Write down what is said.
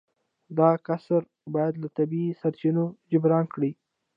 دغه کسر باید له طبیعي سرچینو جبران کړي